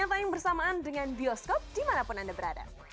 ternyata yang bersamaan dengan bioskop dimanapun anda berada